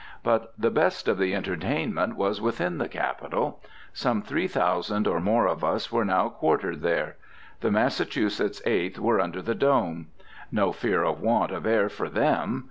But the best of the entertainment was within the Capitol. Some three thousand or more of us were now quartered there. The Massachusetts Eighth were under the dome. No fear of want of air for them.